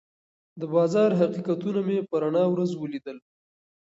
د بازار حقیقتونه مې په رڼا ورځ ولیدل.